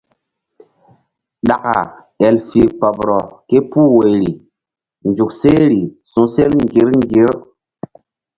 Ɗaka el fih kpoɓrɔ ke puh woyri nzuk sehri su̧sel ŋgir ŋgir.